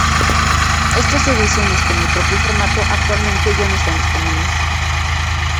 Estas ediciones, como el propio formato, actualmente ya no están disponibles.